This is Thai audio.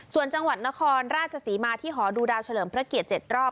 ส่วนจังหวัดนครราชศรีมาที่หอดูดาวเฉลิมพระเกียรติ๗รอบ